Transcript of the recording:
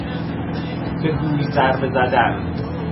به گوی ضربه زدن